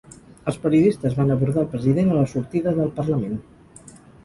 Els periodistes van abordar el president a la sortida del Parlament.